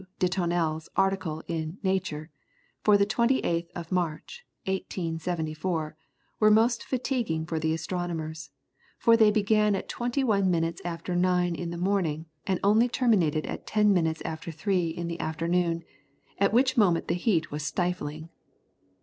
de Tonnelle's article in "Nature," for the 28th of March, 1874, were most fatiguing for the astronomers, for they began at twenty one minutes after nine in the morning, and only terminated at ten minutes after three in the afternoon, at which moment the heat was stifling.